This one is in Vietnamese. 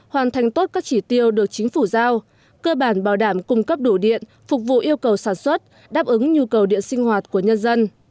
hoàn thành tốt các chỉ tiêu được chính phủ giao cơ bản bảo đảm cung cấp đủ điện phục vụ yêu cầu sản xuất đáp ứng nhu cầu điện sinh hoạt của nhân dân